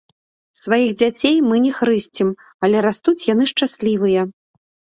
Сваіх дзяцей мы не хрысцім, але растуць яны шчаслівыя.